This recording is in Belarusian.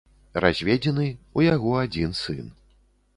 Разведзены, у яго адзін сын.